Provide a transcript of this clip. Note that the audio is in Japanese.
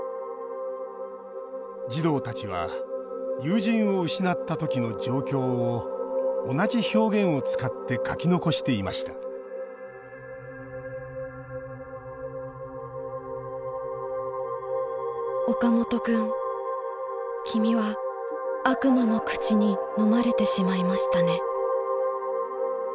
児童たちは友人を失った時の状況を同じ表現を使って書き残していました「岡本君、君は悪魔の口にのまれてしまいましたね」。